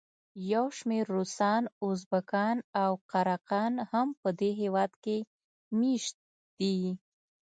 یو شمېر روسان، ازبکان او قراقان هم په دې هېواد کې مېشت دي.